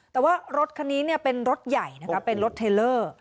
แต่ว่ารถคันนี้เป็นรถใหญ่นะคะเป็นรถเทลเลอร์